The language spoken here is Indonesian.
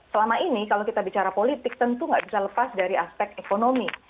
selama ini kalau kita bicara politik tentu tidak bisa lepas dari aspek ekonomi